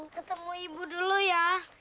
ketemu ibu dulu ya